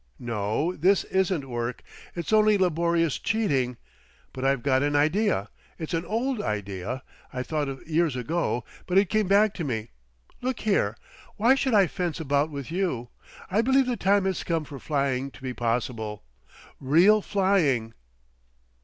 No! this isn't work; it's only laborious cheating. But I've got an idea! It's an old idea—I thought of years ago, but it came back to me. Look here! Why should I fence about with you? I believe the time has come for flying to be possible. Real flying!"